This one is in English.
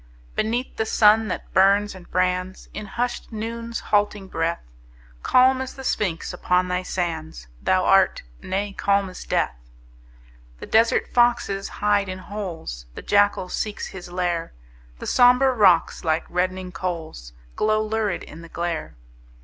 Beneath the sun that burns and brands In hushed Noon's halting breath, Calm as the Sphinx upon thy sands Thou art nay, calm as death. The desert foxes hide in holes, The jackal seeks his lair; The sombre rocks, like reddening coals, Glow lurid in the glare.